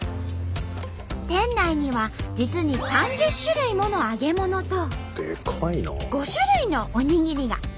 店内には実に３０種類もの揚げ物と５種類のおにぎりが。